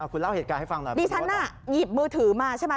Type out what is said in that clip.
คุณเล่าเหตุการณ์ให้ฟังแบบนี้ดิฉันน่ะหยิบมือถือมาใช่ไหม